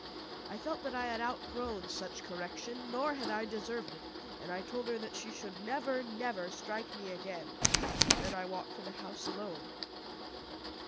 I felt that I had outgrown such correction, nor had I deserved it; and I told her that she should never, never strike me again. Then I walked to the house alone.